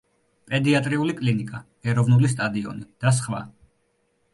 პედიატრიული კლინიკა, ეროვნული სტადიონი და სხვა.